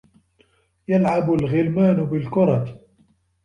يَلْعَبُ الْغِلْمَانُ بِالْكُرَةِ.